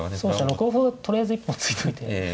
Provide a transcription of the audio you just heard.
６五歩とりあえず一本突いといて。